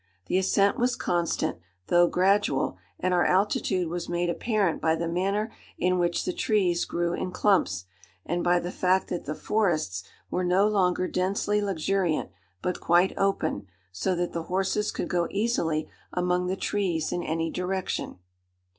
The ascent was constant, though gradual, and our altitude was made apparent by the manner in which the trees grew in clumps, and by the fact that the forests were no longer densely luxuriant, but quite open, so that the horses could go easily among the trees in any direction.